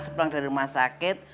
sepulang dari rumah sakit